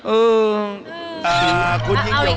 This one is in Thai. เออ